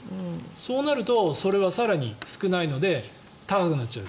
そうなるとそれは更に少ないので高くなっちゃう。